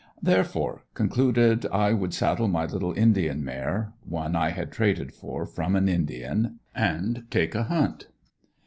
Therefore concluded I would saddle my little indian mare one I had traded for from an indian and take a hunt.